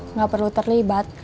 nggak perlu terlibat